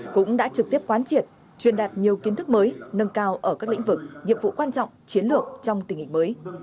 cũng đã trực tiếp quán triệt truyền đạt nhiều kiến thức mới nâng cao ở các lĩnh vực nhiệm vụ quan trọng chiến lược trong tình hình mới